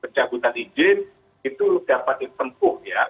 pencabutan izin itu dapat ditempuh ya